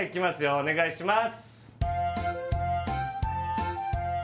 お願いします